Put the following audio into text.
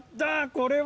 これは。